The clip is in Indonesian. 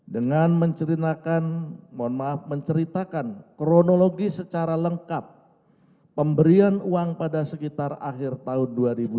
dengan menceritakan kronologi secara lengkap pemberian uang pada sekitar akhir tahun dua ribu sepuluh